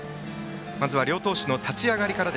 まず両投手の立ち上がりから。